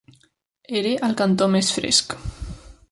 Era el cantó més fresc.